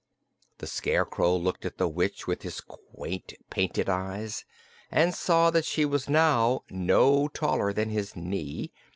The Scarecrow looked at the witch with his quaint, painted eyes and saw that she was now no taller than his knee.